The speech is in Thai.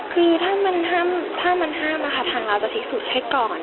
คือถ้ามันห้ามนะคะทางเราจะพลิกสุดให้ก่อน